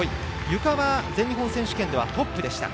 ゆかは全日本選手権ではトップでした。